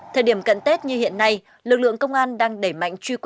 thời điểm cận tết như hiện nay lực lượng công an đang đẩy mạnh